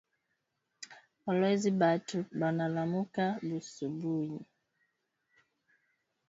Kolwezi batu banalamuka busubuyi sana kwenda mukaji